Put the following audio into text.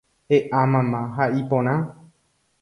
E'a mama ha iporã